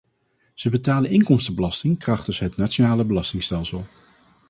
Ze betalen inkomstenbelasting krachtens het nationale belastingstelsel.